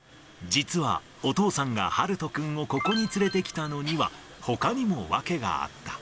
実は、お父さんがはるとくんをここに連れてきたのには、ほかにも訳があった。